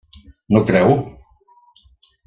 No creu?